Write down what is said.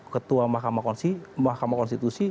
ketua mahkamah konstitusi